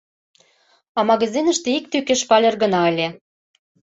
А магазиныште ик тӱкӧ шпалер гына ыле.